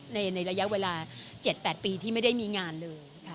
ในระยะเวลา๗๘ปีที่ไม่ได้มีงานเลย